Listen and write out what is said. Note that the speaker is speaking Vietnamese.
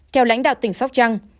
theo lãnh đạo tỉnh sóc trăng